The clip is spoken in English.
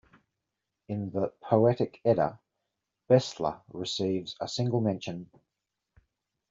In the "Poetic Edda", Bestla receives a single mention.